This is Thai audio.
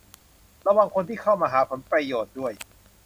ระวังคนที่เข้ามาหาผลประโยชน์ด้วย